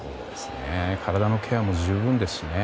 体のケアも十分ですしね。